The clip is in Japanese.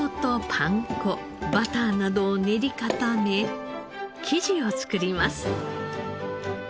パン粉バターなどを練り固め生地を作ります。